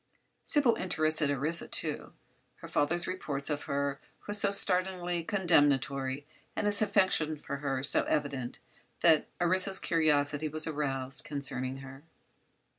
Sybil interested Orissa, too. Her father's reports of her were so startlingly condemnatory, and his affection for her so evident, that Orissa's curiosity was aroused concerning her.